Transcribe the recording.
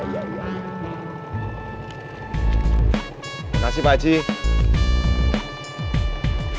terima kasih pakcik